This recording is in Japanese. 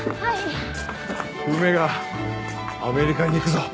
梅がアメリカに行くぞ。